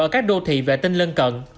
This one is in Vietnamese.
ở các đô thị vệ tinh lân cận